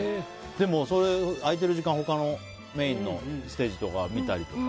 でも空いてる時間は他のメインのステージとか見たりとか。